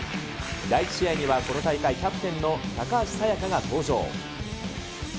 第１試合にはこの試合、キャプテンの高橋沙也加が登場。